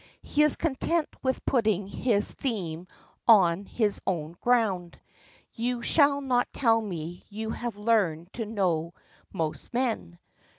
He is content with putting his theme on its own ground. You shall not tell me you have learned to know most men.